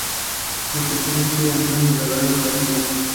Ésta última es la postura del estructuralismo.